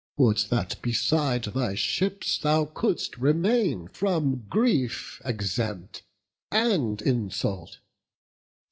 Would that beside thy ships thou could'st remain From grief exempt, and insult!